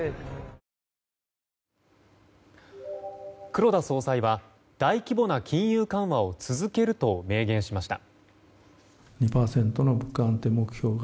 黒田総裁は大規模な金融緩和を続けると明言しました。